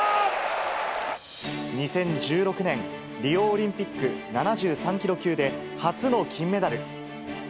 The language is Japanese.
２０１６年、リオオリンピック７３キロ級で、初の金メダル。